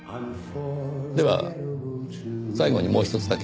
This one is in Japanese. では最後にもうひとつだけ。